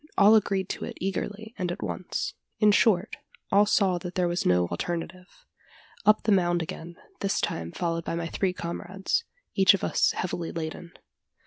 All agreed to it eagerly and at once: in short, all saw that there was no alternative. Up the mound again this time followed by my three comrades each of us heavily laden.